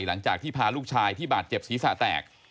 หลังจากที่พาลูกชายที่บาดเจ็บศีรษะแตก